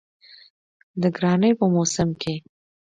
د ګرانۍ په موسم کې